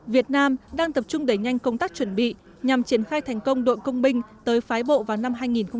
việt nam đang tập trung đẩy nhanh công tác chuẩn bị nhằm triển khai thành công đội công binh tới phái bộ vào năm hai nghìn hai mươi